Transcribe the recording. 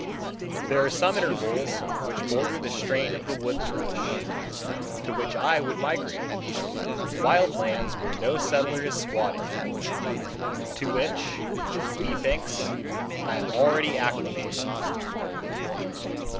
There are some intervals which border the strain of the wood thrush, to which I would migrate—wild lands where no settler has squatted; to which, methinks, I am already acclimated.